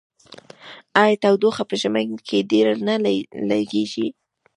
آیا تودوخه په ژمي کې ډیره نه لګیږي؟